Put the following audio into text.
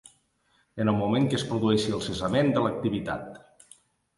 En el moment que es produeixi el cessament de l'activitat.